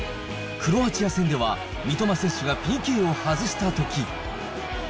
クロアチア戦では、三笘選手がＰＫを外したとき。